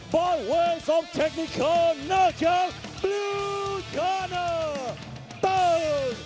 โปรดติดตามต่อไป